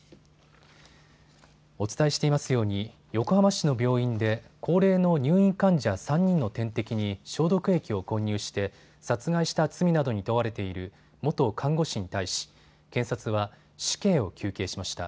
お伝えしていますように横浜市の病院で高齢の入院患者３人の点滴に消毒液を混入して殺害した罪などに問われている元看護師に対し検察は死刑を求刑しました。